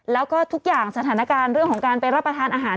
แล้วก็ทุกอย่างสถานการณ์เรื่องของการไปรับประทานอาหาร